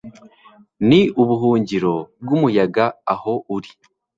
ni ubuhungiro bwumuyaga aho uri